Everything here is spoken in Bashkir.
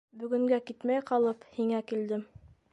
Бөгөнгә китмәй ҡалып, һиңә килдем.